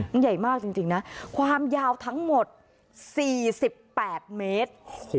มันใหญ่มากจริงนะความยาวทั้งหมด๔๘เมตร